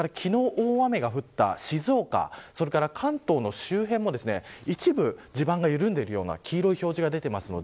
これが九州と昨日、大雨が降った静岡それから関東の周辺も一部、地盤が緩んでいるような黄色い表示が出ています。